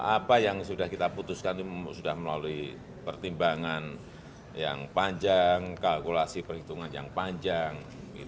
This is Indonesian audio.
apa yang sudah kita putuskan itu sudah melalui pertimbangan yang panjang kalkulasi perhitungan yang panjang